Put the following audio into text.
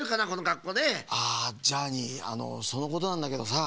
ああジャーニーあのそのことなんだけどさ。